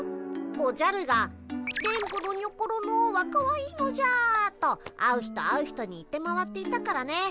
おじゃるが「電ボのにょころのはかわいいのじゃ」と会う人会う人に言って回っていたからね。